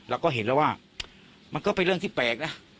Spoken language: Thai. เราก็เห็นแล้วว่ามันก็เป็นเรื่องที่แปลกนะ